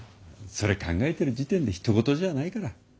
それ考えてる時点でひと事じゃないから。